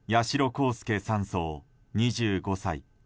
航佑３曹、２５歳。